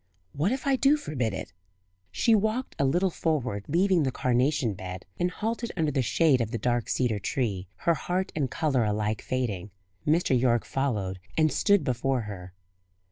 What if I do forbid it?" She walked a little forward, leaving the carnation bed, and halted under the shade of the dark cedar tree, her heart and colour alike fading. Mr. Yorke followed and stood before her.